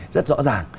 rất rõ ràng